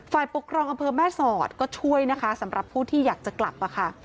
ฝ่ายปกครองอำเภอแม่สอดก็ช่วยนะคะสำหรับผู้ที่อยากจะกลับมาค่ะ